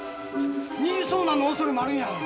２次遭難のおそれもあるんや。